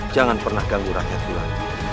jangan pernah ganggu rakyat tuhan